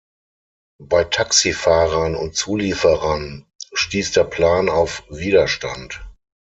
Bei Taxifahrern und Zulieferern stieß der Plan auf Widerstand.